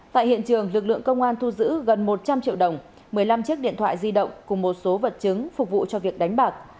tại hiện trường lực lượng công an thu giữ gần một trăm linh triệu đồng một mươi năm chiếc điện thoại di động cùng một số vật chứng phục vụ cho việc đánh bạc